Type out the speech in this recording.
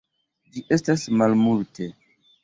Ĝi estas malmulte.